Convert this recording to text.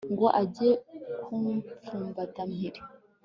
ngo ajye kumufata mpiri